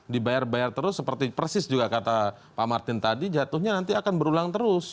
dibayar bayar terus seperti persis juga kata pak martin tadi jatuhnya nanti akan berulang terus